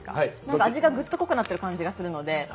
味がグッと濃くなってる感じがするので。